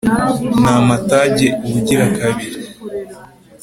ni amatage ubugirakabili